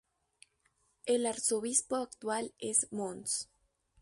El Arzobispo actual es Mons.